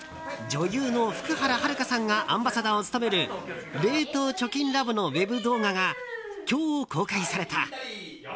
女優の福原遥さんがアンバサダーを務める冷凍貯金ラボのウェブ動画が今日、公開された。